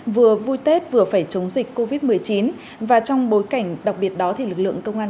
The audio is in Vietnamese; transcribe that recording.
vừa vui tết vừa phải chống dịch covid một mươi chín và trong bối cảnh đặc biệt đó thì lực lượng công an